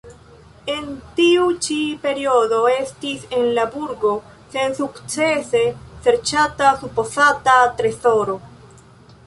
En tiu ĉi periodo estis en la burgo sensukcese serĉata supozata trezoro.